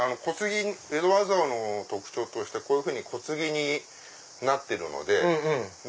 江戸和竿の特徴としてこういうふうに小継ぎになってるので。